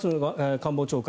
官房長官